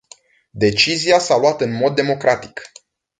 Decizia s-a luat în mod democratic.